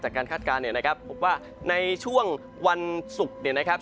การคาดการณ์เนี่ยนะครับพบว่าในช่วงวันศุกร์เนี่ยนะครับ